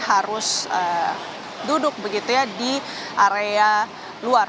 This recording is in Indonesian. harus duduk di area luar